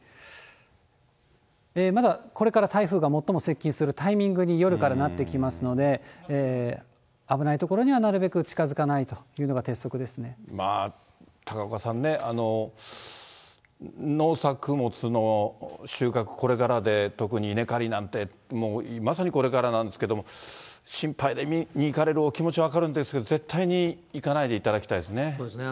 まだ、これから台風が最も接近するタイミングに、夜からなってきますので、危ない所にはなるべく近づかないという高岡さんね、農作物の収穫、これからで、特に稲刈りなんて、まさにこれからなんですけれども、心配で、見に行かれるお気持ち、分かるんですけれども、絶対に行かないでそうですね。